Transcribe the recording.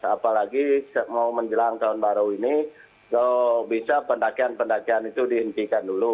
apalagi mau menjelang tahun baru ini bisa pendakian pendakian itu dihentikan dulu